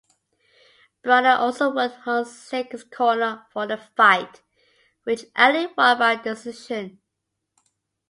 Bruner also worked Hunsaker's corner for the fight, which Ali won by decision.